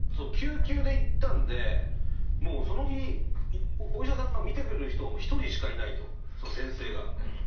救急で行ったんでその日お医者さんが診てくれる人が１人しかいないと先生が。